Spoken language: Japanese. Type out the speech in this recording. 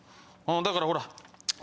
だからほら！